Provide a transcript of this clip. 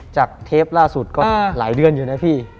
เทปล่าสุดก็หลายเดือนอยู่นะพี่